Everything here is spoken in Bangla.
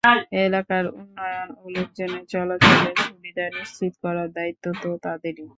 এলাকার উন্নয়ন ও লোকজনের চলাচলের সুবিধা নিশ্চিত করার দায়িত্ব তো তাঁদেরই।